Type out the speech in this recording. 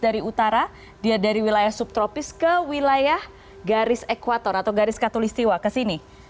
angin yang bermbus dari utara dari wilayah subtropis ke wilayah garis ekwator atau garis katulistiwa ke sini